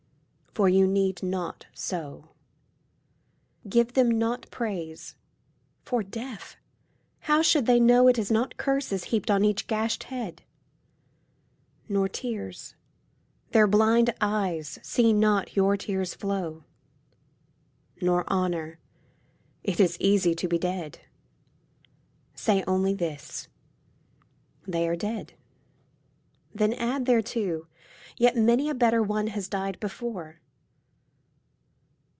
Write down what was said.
For you need not so. Give them not praise. For, deaf, how should they know It is not curses heaped on each gashed head ? Nor tears. Their blind eyes see not your tears flow. Nor honour. It is easy to be dead. Say only this, " They are dead." Then add thereto, " Yet many a better one has died before."